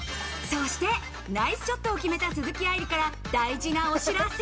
そしてナイスショットを決めた鈴木愛理から大事なお知らせ。